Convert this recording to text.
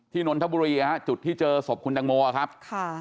นนทบุรีจุดที่เจอศพคุณตังโมครับ